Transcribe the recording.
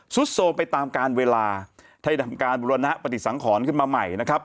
โทรไปตามการเวลาได้ทำการบุรณปฏิสังขรขึ้นมาใหม่นะครับ